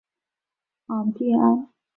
昂蒂安。